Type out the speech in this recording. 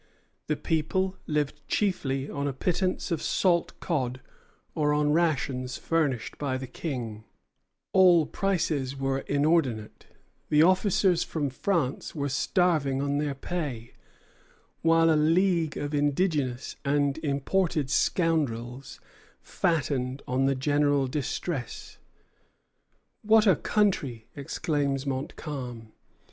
The people lived chiefly on a pittance of salt cod or on rations furnished by the King; all prices were inordinate; the officers from France were starving on their pay; while a legion of indigenous and imported scoundrels fattened on the general distress. "What a country!" exclaims Montcalm.